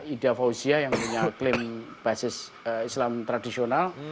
ida fauzia yang punya klaim basis islam tradisional